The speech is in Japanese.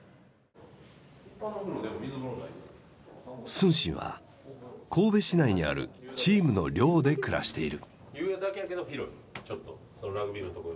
承信は神戸市内にあるチームの寮で暮らしている。